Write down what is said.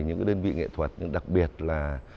những đơn vị nghệ thuật nhưng đặc biệt là